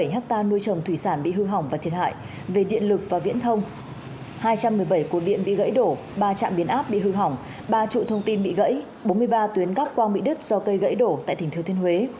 một trăm bốn mươi bảy hectare nuôi trồng thủy sản bị hư hỏng và thiệt hại về điện lực và viễn thông hai trăm một mươi bảy cột điện bị gãy đổ ba trạm biến áp bị hư hỏng ba trụ thông tin bị gãy bốn mươi ba tuyến gắp quang bị đứt do cây gãy đổ tại tỉnh thừa thiên huế